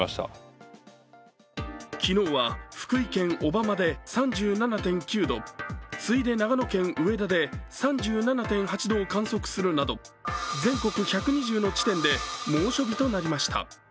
昨日は福井県小浜で３７．９度、次いで、長野県上田で３７．８度を観測するなど、全国１２０の地点で猛暑日となりました。